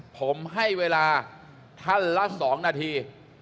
ผมให้เวลาท่านละ๒นาที